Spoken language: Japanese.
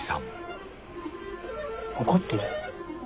怒ってる？